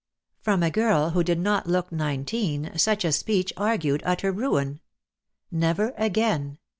From a girl who did not look nineteen such a speech argued utter ruin. Never again.